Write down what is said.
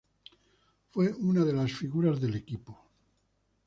Fue una de las figuras del equipo.